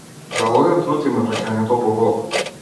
Залуден труд им е враќањето по вода.